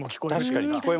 確かに。